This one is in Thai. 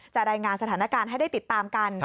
รายงานสถานการณ์ให้ได้ติดตามกัน